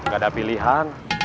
gak ada pilihan